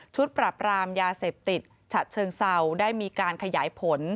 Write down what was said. ปรับรามยาเสพติดฉะเชิงเศร้าได้มีการขยายผล